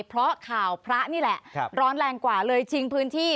เพราะข่าวพระนี่แหละร้อนแรงกว่าเลยชิงพื้นที่